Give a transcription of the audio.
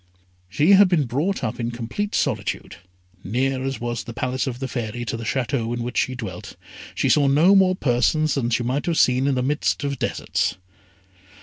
She had been brought up in complete solitude. Near as was the Palace of the Fairy to the Château in which she dwelt, she saw no more persons than she might have seen in the midst of deserts.